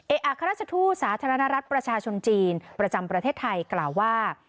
อัครราชทูตสาธารณรัฐประชาชนจีนประจำประเทศไทยกล่าวว่า